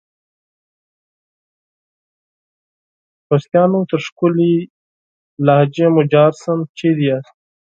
خوستیانو ! تر ښکلي لهجې مو جار سم ، چیري یاست؟